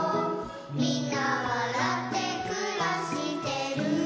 「みんなわらってくらしてる」